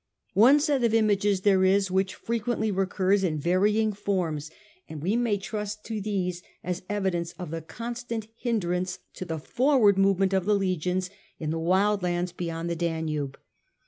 One set of images there is which frequently recurs in varying forms, and we may trust to these as evidence of the constant hindrance to the forward movement of the legions in the wild lands beyond the Danube.